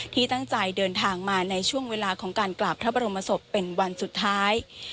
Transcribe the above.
ที่ตั้งใจเดินทางมาในช่วงเวลาของการกราบพระบรมศพเป็นวันสุดท้าย